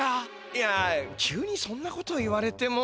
いや急にそんなこと言われても。